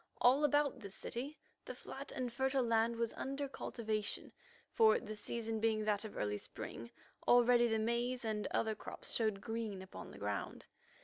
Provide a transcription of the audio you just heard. All about this city the flat and fertile land was under cultivation, for the season being that of early spring, already the maize and other crops showed green upon the ground.